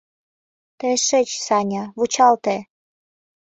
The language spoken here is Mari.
Тый шич, Саня, вучалте...